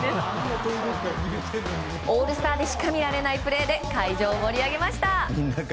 オールスターでしか見られないプレーで会場を盛り上げました。